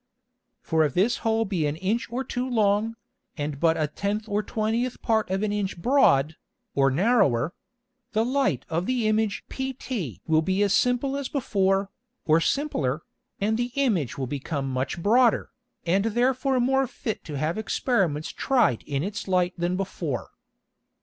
For if this Hole be an Inch or two long, and but a tenth or twentieth Part of an Inch broad, or narrower; the Light of the Image pt will be as simple as before, or simpler, and the Image will become much broader, and therefore more fit to have Experiments try'd in its Light than before.